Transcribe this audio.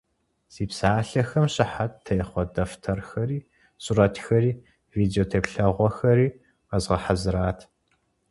Си псалъэхэм щыхьэт техъуэ дэфтэрхэри, сурэтхэри, видеотеплъэгъуэхэри къэзгъэхьэзырат.